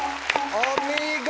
お見事！